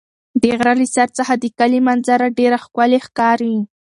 د غره له سر څخه د کلي منظره ډېره ښکلې ښکاري.